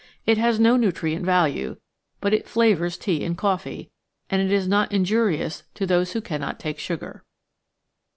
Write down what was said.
It has no nutrient value, but it flavours tea and coffee, and it is not injurious to those who can not take sugar.